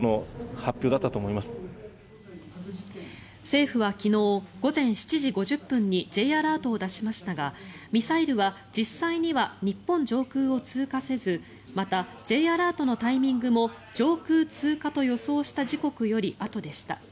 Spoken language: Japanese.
政府は昨日午前７時５０分にＪアラートを出しましたがミサイルは実際には日本上空を通過せずまた、Ｊアラートのタイミングも上空通過と予想した時刻よりあとでした。